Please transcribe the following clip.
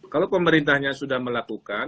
kalau pemerintahnya sudah melakukan